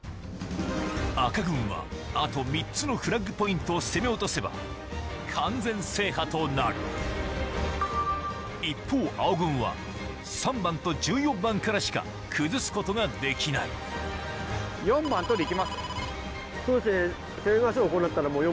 赤軍はあと３つのフラッグポイントを攻め落とせば完全制覇となる一方青軍は３番と１４番からしか崩すことができないそうですね